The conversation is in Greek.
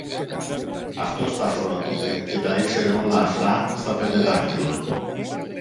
Αυτός τα φρόντιζε και τα ήξερε όλα αυτά στα πέντε δάχτυλα!